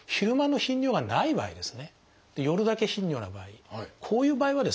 夜だけ頻尿の場合こういう場合はですね